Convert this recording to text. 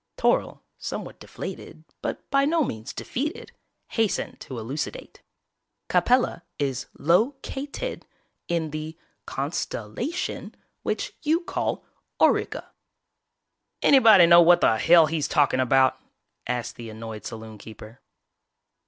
Toryl, somewhat deflated, but by no means defeated, hastened to elucidate. "Capella is lo cat ed in the con stell a tion which you call Auriga." "Anybody know what the hell he's talking about?" asked the annoyed saloonkeeper.